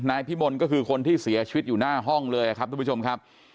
พี่มลก็คือคนที่เสียชีวิตอยู่หน้าห้องเลยครับทุกผู้ชมครับ